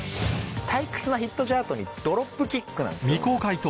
退屈なヒットチャートにドロップキックなんですよ。